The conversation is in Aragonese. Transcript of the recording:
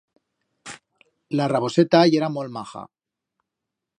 La raboseta yera molt maja.